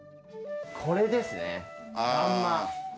これですね。